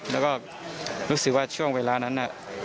แล้วก็รู้สึกว่าช่วงเวลานั้นน่ะ